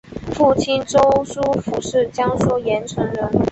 父亲周书府是江苏盐城人。